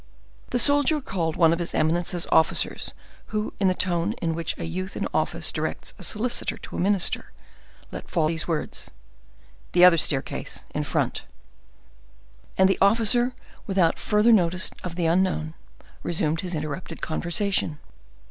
The soldier called one of his eminence's officers, who, in the tone in which a youth in office directs a solicitor to a minister, let fall these words: "The other staircase, in front." And the officer, without further notice of the unknown, resumed his interrupted conversation.